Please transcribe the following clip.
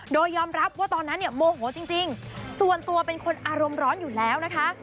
โดยยอมรับว่าตอนนั้นเนี่ยโมโหจริงส่วนตัวเป็นคนอารมณ์ร้อนอยู่แล้วนะคะ